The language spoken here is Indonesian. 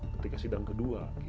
ketika sidang kedua